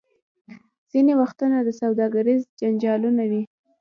ځینې وختونه سوداګریز جنجالونه وي.